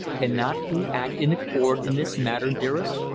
"Cannot we act in accord in this matter, dearest?